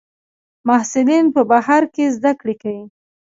محصلین په بهر کې زده کړې کوي.